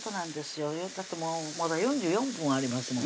だってまだ４４分ありますもん